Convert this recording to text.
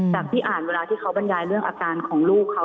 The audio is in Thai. จากที่อ่านเวลาที่เขาบรรยายเรื่องอาการของลูกเขา